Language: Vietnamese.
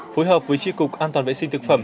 phối hợp với tri cục an toàn vệ sinh thực phẩm